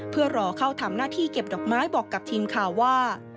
เพื่อรอเข้าทำหน้าที่เก็บดอกไม้บอกกับทีมข่าวว่า